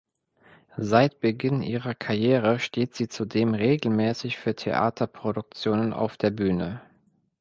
Seit Beginn ihrer Karriere steht sie zudem regelmäßig für Theaterproduktionen auf der Bühne